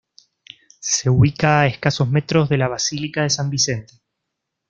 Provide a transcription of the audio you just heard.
Se ubica a escasos metros de la basílica de San Vicente.